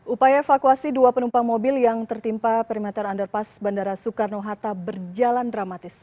upaya evakuasi dua penumpang mobil yang tertimpa perimeter underpass bandara soekarno hatta berjalan dramatis